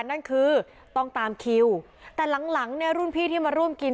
นั่นคือต้องตามคิวแต่หลังหลังเนี่ยรุ่นพี่ที่มาร่วมกิน